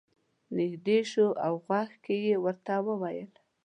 نږدې شو او غوږ کې یې ورته وویل.